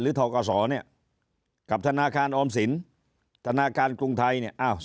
หรือธกศกับธนาคารอมสินธนาคารกรุงไทย